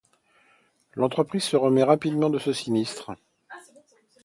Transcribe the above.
L’entreprise se remet rapidement de ce sinistre.